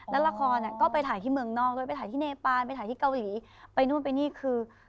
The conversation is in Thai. แล้วละครก็ไปถ่ายที่เมืองนอกด้วยไปถ่ายที่เนปานไปถ่ายที่เกาหลีไปนู่นไปนี่คือ